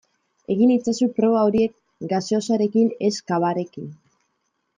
Egin itzazu proba horiek gaseosarekin ez cavarekin.